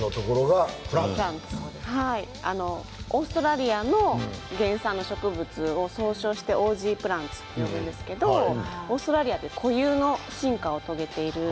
オーストラリア原産の植物を総称してオージープランツと呼ぶんですけどオーストラリア固有の進化を遂げています。